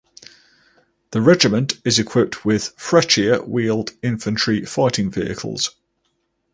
The regiment is equipped with Freccia wheeled infantry fighting vehicles.